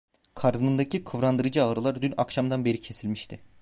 Karnındaki kıvrandırıcı ağrılar dün akşamdan beri kesilmişti.